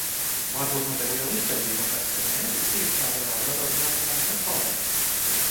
Varbūt notiek liela izšķērdība un darbs ir neefektīvs, tādējādi radot lielus finanšu resursu zaudējumus?